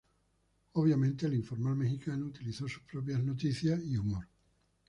Obviamente, "El informal" mexicano utilizó sus propias noticias y humor.